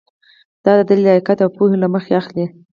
دا د لیاقت او پوهې له مخې اخلي.